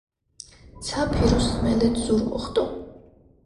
ცა ფირუზ ხმელეთ ზურმუხტო.